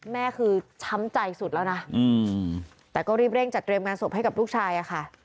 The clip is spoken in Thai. แม่คือช้ำใจสุดแล้วนะแต่ก็รีบเร่งจัดเตรียมงานศพให้กับลูกชายอะค่ะ